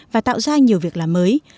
và tạo ra nhiều việc làm mới